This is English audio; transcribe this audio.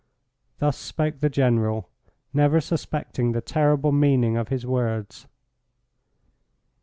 Thus spoke the General, never suspecting the terrible meaning of his words.